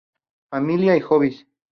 Familia y Hobbies.